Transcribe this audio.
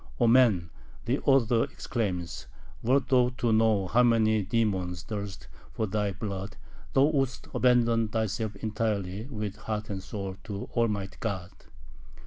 "O man," the author exclaims "wert thou to know how many demons thirst for thy blood, thou wouldst abandon thyself entirely, with heart and soul, to Almighty God!"